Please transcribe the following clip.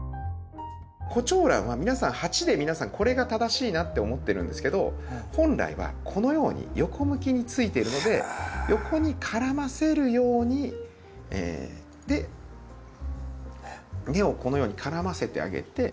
コチョウランは皆さん鉢でこれが正しいなって思ってるんですけど本来はこのように横向きについてるので横に絡ませるように根をこのように絡ませてあげて。